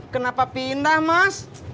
kenapa pindah mas